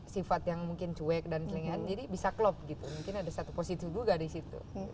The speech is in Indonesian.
sifat yang mungkin cuek dan kelinginan jadi bisa klop gitu mungkin ada satu positif juga disitu